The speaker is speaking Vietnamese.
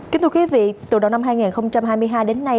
kính thưa quý vị từ đầu năm hai nghìn hai mươi hai đến nay